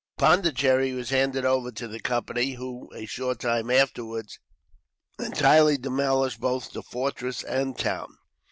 Pondicherry was handed over to the Company; who, a short time afterwards, entirely demolished both the fortress and town.